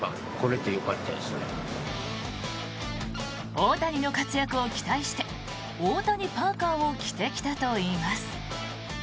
大谷の活躍を期待して大谷パーカを着てきたといいます。